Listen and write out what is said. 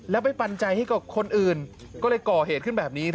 แล้วไปปัญญาให้กับคนอื่นก็เลยก่อเหตุขึ้นแบบนี้